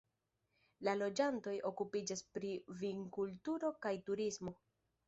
La loĝantoj okupiĝas pri vinkulturo kaj turismo.